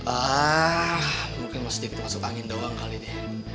ah mungkin sedikit masuk angin doang kali ini